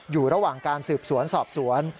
อยู่ระหว่างการสืบสวนสอบสวน